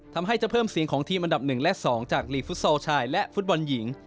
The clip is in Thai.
ทำให้จะเพิ่มเสียงของทีมอันดับ๑และ๒จากลีกฟุตซอลชายและฟุตบอลหญิง